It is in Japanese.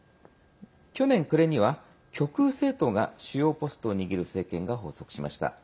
去年暮れには、極右政党が主要ポストを握る政権が発足しました。